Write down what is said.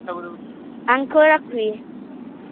Ancora qui